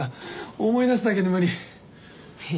思い出すだけで無理。へ。